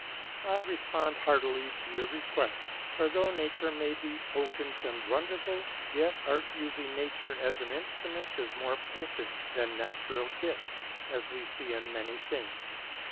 I RESPOND heartily to your request, for though nature may be potent and wonderful, yet art using nature as an instrument is more potent than natural gifts, as we see in many things.